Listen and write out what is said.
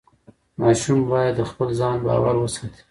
ماشوم باید د خپل ځان باور وساتي.